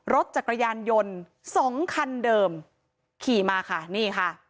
รถจักรยานยนต์สองคันเดิมขี่มาค่ะนี่ค่ะ